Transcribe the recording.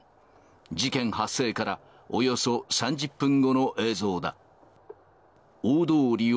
事件発生からおよそ３０分後の映像だ。